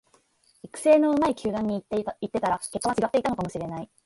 育成の上手い球団に行ってたら結果は違っていたかもしれない